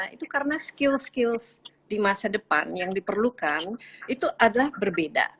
itu karena skill skills di masa depan yang diperlukan itu adalah berbeda